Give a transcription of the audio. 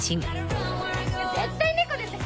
絶対猫ですって。